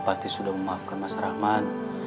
pasti sudah memaafkan mas rahmat